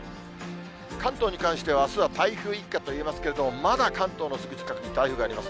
関東に関しては、あすは台風一過と言えますけれども、まだ関東のすぐ近くに台風があります。